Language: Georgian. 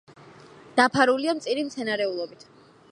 დაფარულია მწირი მცენარეულობით.